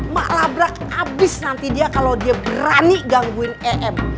mak nabrak habis nanti dia kalau dia berani gangguin em